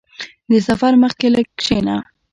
• د سفر مخکې لږ کښېنه.